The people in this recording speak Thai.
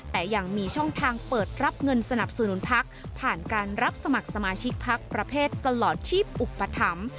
แต่ยังมีช่องทางเปิดรับเงินสนับสนุนพักผ่านการรับสมัครสมาชิกพักประเภทตลอดชีพอุปถัมภ์